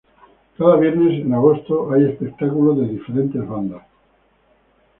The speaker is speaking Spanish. Cada viernes en agosto hay espectáculos de diferentes bandas.